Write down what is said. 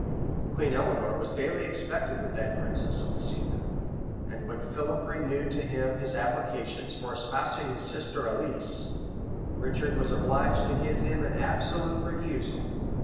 [*] Queen Eleanor was daily expected with that princess at Messina;[] and when Philip renewed to him his applications for espousing his sister Alice, Richard was obliged to give him an absolute refusal.